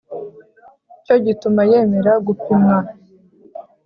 icyo gituma yemera gupimwa.